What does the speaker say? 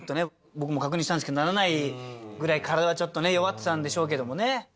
僕も確認したんですけどならないぐらい体がちょっとね弱ってたんでしょうけどもね。